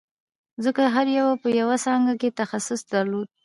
ځکه هر یوه په یوه څانګه کې تخصص درلود